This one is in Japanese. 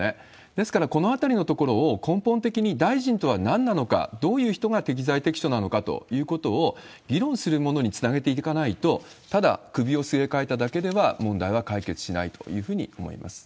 ですから、このあたりのところを根本的に、大臣とはなんなのか、どういう人が適材適所なのかということを議論するものにつなげていかないと、ただ首をすげ替えただけでは問題は解決しないというふうに思います。